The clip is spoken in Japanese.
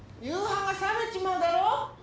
夕飯が冷めちまうだろ。